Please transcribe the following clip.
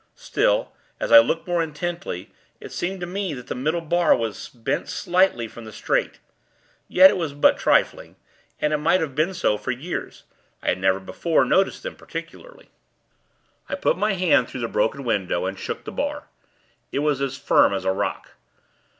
Still, as I looked more intently, it seemed to me, that the middle bar was bent slightly from the straight; yet it was but trifling, and it might have been so for years. I had never, before, noticed them particularly. I put my hand through the broken window, and shook the bar. It was as firm as a rock.